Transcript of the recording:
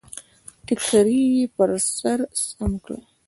ټکری يې پر سر سم کړ.